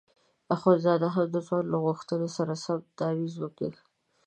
اخندزاده هم د ځوان له غوښتنې سره سم تاویز وکیښ.